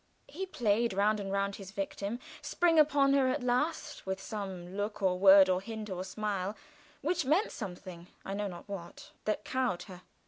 He played round and round his victim, springing upon her at last, with some look, or word, or hint, or smile, which meant something I know not what that cowed her.